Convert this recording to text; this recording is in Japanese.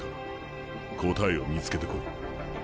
答えを見つけてこい。